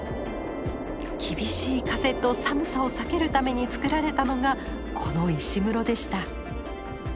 厳しい風と寒さを避けるためにつくられたのがこの石室でした。